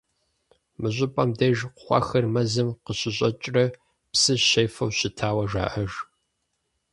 Мы щӀыпӀэм деж кхъуэхэр мэзым къыщыщӀэкӀрэ псы щефэу щытауэ жаӀэж.